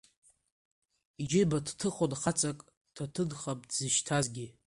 Иџьыба дҭыхон хаҵак, ҭаҭынхап дзышьҭазгьы…